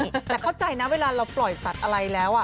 แต่เข้าใจนะเวลาเราปล่อยสัตว์อะไรแล้ว